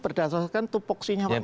berdasarkan topoksinya pak menteri